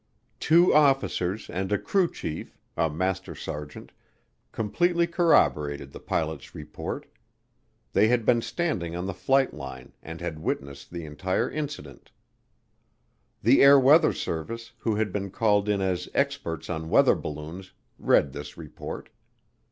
Two officers and a crew chief, a master sergeant, completely corroborated the pilot's report. They had been standing on the flight line and had witnessed the entire incident. The Air Weather Service, who had been called in as experts on weather balloons, read this report.